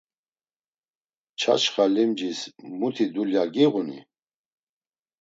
Çaçxa limcis muti dulya giğuni?